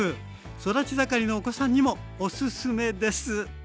育ち盛りのお子さんにもおすすめです。